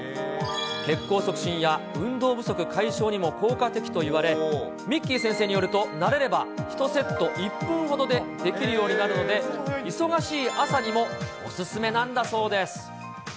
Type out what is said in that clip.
血行促進や、運動不足解消にも効果的といわれ、みっきー先生によると、慣れれば、１セット１分ほどでできるようになるので、忙しい朝にもお勧めなんだそうです。